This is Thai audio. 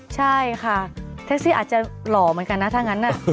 ใช่ค่ะแท็กซี่อาจจะหล่อเหมือนกันนะถ้างั้น